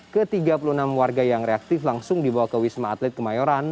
ke tiga puluh enam warga yang reaktif langsung dibawa ke wisma atlet kemayoran